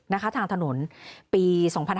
นะคะทางถนนปี๒๕๖๖